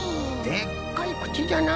でっかいくちじゃな。